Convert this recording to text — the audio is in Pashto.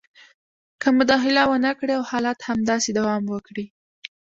که مداخله ونه کړي او حالات همداسې دوام کوي